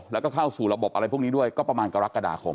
แล้วก็เข้าสู่ระบบอะไรพวกนี้ด้วยก็ประมาณกรกฎาคม